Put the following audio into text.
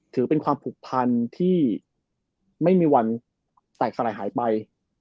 ถือเป็นความผูกพันที่ไม่มีวันแตกสลายหายไป